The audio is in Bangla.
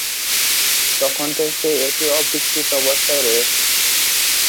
তখন থেকে এটি অবিকৃত অবস্থায় রয়েছে।